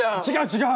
違う！